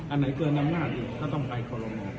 อันไหนเจนน้ำหน้าดอีกก็ต้องไปขอรงว่า